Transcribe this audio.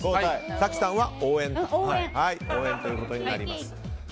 早紀さんは応援ということになります。